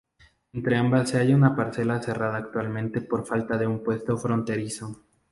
Entre ambas se halla una pasarela cerrada actualmente por falta de un puesto fronterizo.